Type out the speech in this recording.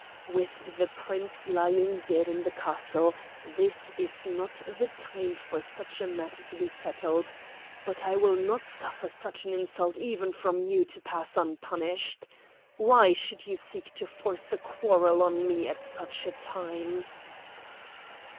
"With the Prince lying dead in the castle, this is not the time for such a matter to be settled; but I will not suffer such an insult even from you to pass unpunished. Why should you seek to force a quarrel on me at such a time?"